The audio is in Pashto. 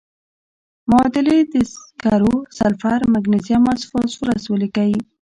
معادلې د سکرو، سلفر، مګنیزیم او فاسفورس ولیکئ.